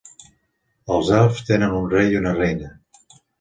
Els elfs tenen un rei i una reina.